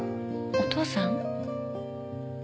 お父さん？